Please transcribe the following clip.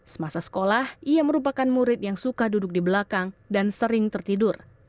semasa sekolah ia merupakan murid yang suka duduk di belakang dan sering tertidur